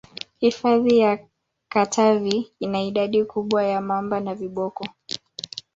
hifadhi ya katavi ina idadi kubwa ya mamba na viboko